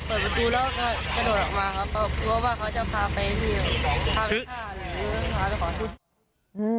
เพราะเขาก็รู้ว่าเขาจะพาไปที่พาไปข้าวหรืออะไรของเขา